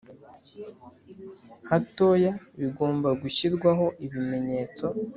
hatoya bigomba gushyirwaho ibimenyetso